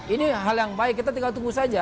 ini hal yang baik kita tinggal tunggu saja